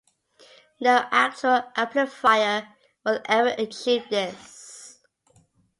No actual amplifier will ever achieve this.